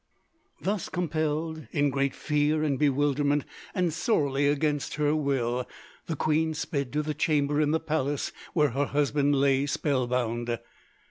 Thus compelled, in great fear and bewilderment and sorely against her will, the queen sped to the chamber in the palace where her husband lay spell bound.